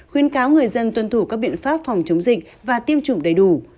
khuyên cáo người dân tuân thủ các biện pháp phòng chống dịch và tiêm chủng đầy đủ